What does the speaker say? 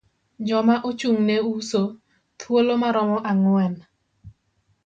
Joma ochung' ne uso, thuolo maromo ang'wen.